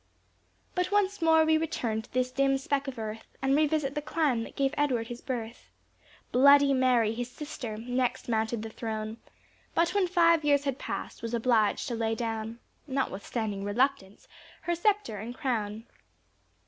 But once more we return to this "dim speck of earth," And revisit the clime that gave Edward his birth. Bloody Mary his sister, next mounted the throne, But when five years had pass'd, was obliged to lay down, Notwithstanding reluctance, her Sceptre and Crown.